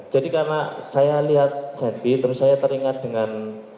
jadi karena saya lihat senpi terus saya teringat dengan